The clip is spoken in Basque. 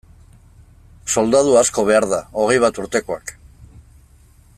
Soldadu asko behar da, hogeita bat urtekoak.